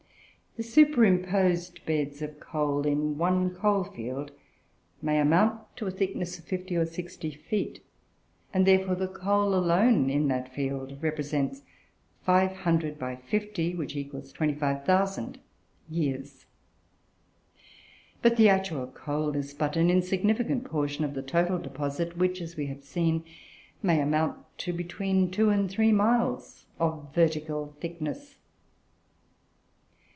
The superimposed beds of coal in one coal field may amount to a thickness of fifty or sixty feet, and therefore the coal alone, in that field, represents 500 x 50 = 25,000 years. But the actual coal is but an insignificant portion of the total deposit, which, as has been seen, may amount to between two and three miles of vertical thickness.